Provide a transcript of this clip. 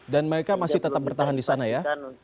dan mereka masih tetap bertahan di sana ya